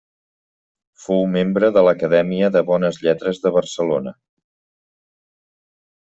Fou membre de l’Acadèmia de Bones Lletres de Barcelona.